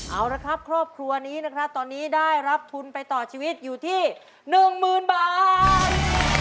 เอาละครับครอบครัวนี้นะครับตอนนี้ได้รับทุนไปต่อชีวิตอยู่ที่๑๐๐๐บาท